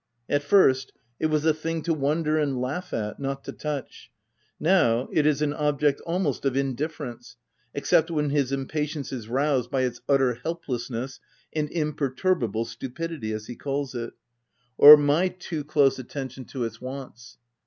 At first, it was a thing to wonder and laugh at, not to touch: now, it is an object almost of indif ference, except when his impatience is roused by its c utter helplessness * and ' imperturbable stupidity ' (as he calls it), or my too close at 152 THE TENANT tention to its wants.